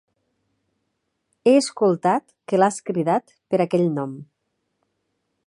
He escoltat que l"has cridat per aquell nom.